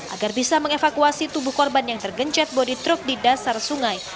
agar bisa mengevakuasi tubuh korban yang tergencet bodi truk di dasar sungai